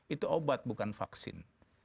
itu obat bukan vaksin